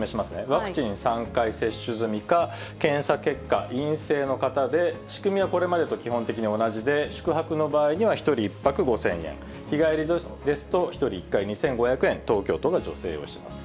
ワクチン３回接種済みか、検査結果、陰性の方で、仕組みはこれまでと基本的に同じで、宿泊の場合には１人１泊５０００円、日帰りですと、１人１回２５００円、東京都が助成をします。